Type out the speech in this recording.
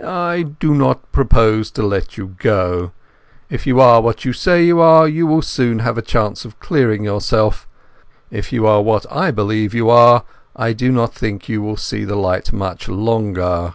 "I do not propose to let you go. If you are what you say you are, you will soon have a chance of clearing yourself. If you are what I believe you are, I do not think you will see the light much longer."